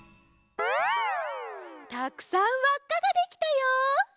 たくさんわっかができたよ！